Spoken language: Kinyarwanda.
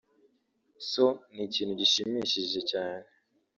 so ni ikintu gishimishije cyane